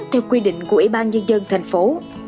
theo quy định của ủy ban nhân dân thành phố